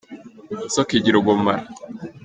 inzoka igira ubumara